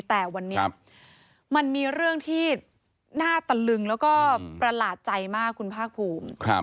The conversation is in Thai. แต่วันนี้มันมีเรื่องที่น่าตะลึงแล้วก็ประหลาดใจมากคุณภาคภูมิ